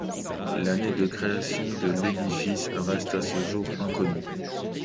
L'année de création de l'édifice reste à ce jour inconnue.